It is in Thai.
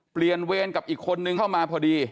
เวรกับอีกคนนึงเข้ามาพอดี